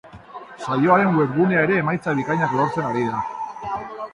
Saioaren webgunea ere emaitza bikainak lortzen ari da.